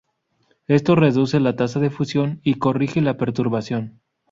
Esto reduce la tasa de fusión y corrige la perturbación.